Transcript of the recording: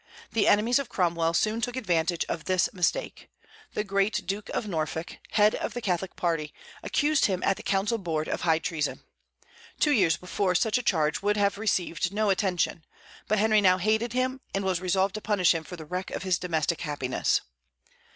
The enemies of Cromwell soon took advantage of this mistake. The great Duke of Norfolk, head of the Catholic party, accused him at the council board of high treason. Two years before, such a charge would have received no attention; but Henry now hated him, and was resolved to punish him for the wreck of his domestic happiness.